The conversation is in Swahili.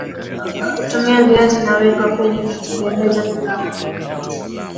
Kutumia viazi na weka kwenye kutengeneza pilau